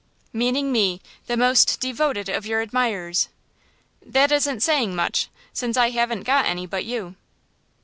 "Meaning me; the most devoted of your admirers." "That isn't saying much, since I haven't got any but you."